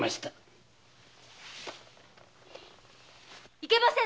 ・いけませぬ！